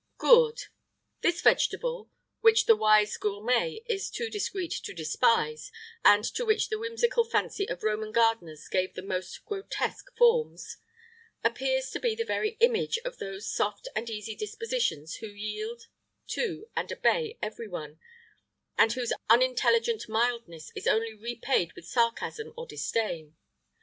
GOURD. This vegetable, which the wise gourmet is too discreet to despise, and to which the whimsical fancy of Roman gardeners gave the most grotesque forms,[IX 56] appears to be the very image of those soft and easy dispositions who yield to and obey every one, and whose unintelligent mildness is only repaid with sarcasm or disdain.